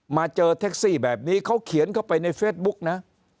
มาเจอแท็กซี่แบบนี้เขาเขียนเข้าไปในเฟซบุ๊กนะ